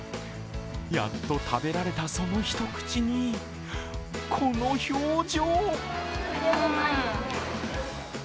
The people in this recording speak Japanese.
やっと食べられたその一口にこの表情。